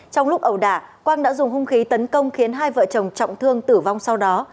trong lúc ẩu đả quang đã dùng hung khí tấn công khiến hai vợ chồng trọng thương tử vong sau đó